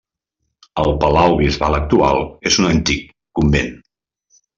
El palau bisbal actual és un antic convent.